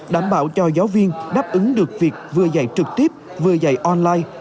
đảm bảo cho giáo viên đáp ứng được việc vừa dạy trực tiếp vừa dạy online